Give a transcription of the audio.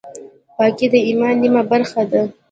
پاکي د ایمان نیمه برخه ده.